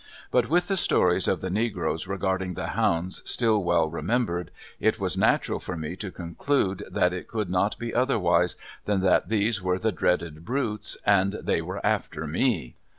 But with the stories of the negroes regarding the hounds still well remembered, it was natural for me to conclude that it could not be otherwise than that these were the dreaded brutes, and they were after me.